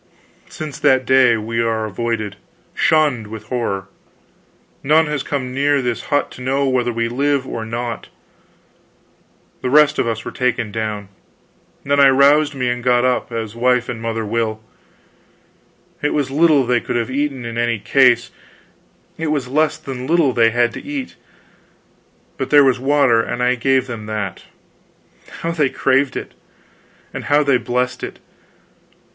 "Since that day we are avoided, shunned with horror. None has come near this hut to know whether we live or not. The rest of us were taken down. Then I roused me and got up, as wife and mother will. It was little they could have eaten in any case; it was less than little they had to eat. But there was water, and I gave them that. How they craved it! and how they blessed it!